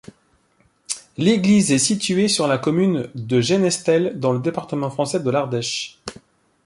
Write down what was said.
L'église est située sur la commune de Genestelle, dans le département français de l'Ardèche.